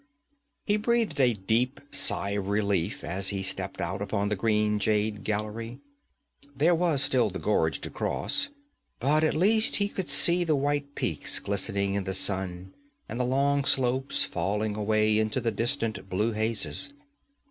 He breathed a deep sigh of relief as he stepped out upon the green jade gallery. There was still the gorge to cross, but at least he could see the white peaks glistening in the sun, and the long slopes falling away into the distant blue hazes.